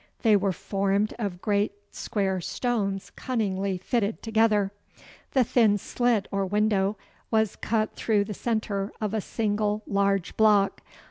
They were formed of great square stones cunningly fitted together. The thin slit or window was cut through the centre of a single large block.